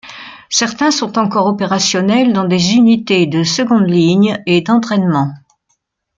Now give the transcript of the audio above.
Certains sont encore opérationnels dans des unités de seconde ligne et d’entraînement.